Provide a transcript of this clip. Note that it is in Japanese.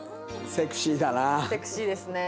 セクシーですね。